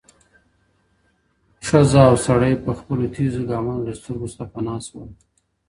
ښځه او سړی په خپلو تېزو ګامونو له سترګو څخه پناه شول.